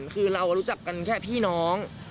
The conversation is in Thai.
คือเรารู้จักกันแค่พี่น้อง